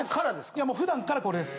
いやもう普段からこれです。